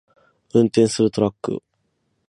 運転するトラックを